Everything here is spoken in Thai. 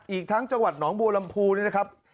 อีกทั้งจังหวัดหนองบัวลำพูนี่นะครับ